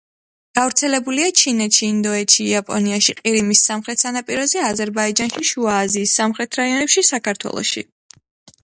გავრცელებულია ჩინეთში, ინდოეთში, იაპონიაში, ყირიმის სამხრეთ სანაპიროზე, აზერბაიჯანში, შუა აზიის სამხრეთ რაიონებში, საქართველოში.